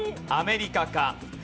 アメリカか？